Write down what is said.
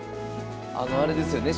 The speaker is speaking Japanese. あのあれですよね